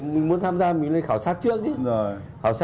mình muốn tham gia mình lên khảo sát trước chứ